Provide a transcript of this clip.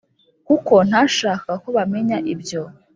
kuko ntashakaga ko bamenya ibyo